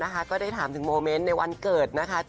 ขึ้นเยอะเลยนะ